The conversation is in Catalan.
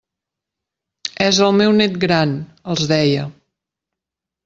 «És el meu nét gran», els deia.